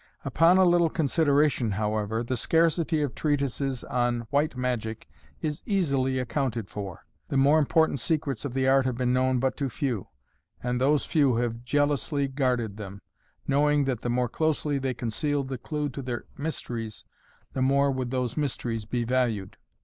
Upon a little consideration, however, the scarcity of treatises on *White Magic*' is easily accounted for. The more important secrets of the art have been known but to few, and those few have jealously guarded them, knowing that the more closely they concealed the clue to their mysteries, the more would those mysteries be valued.